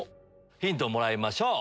ヒントをもらいましょう。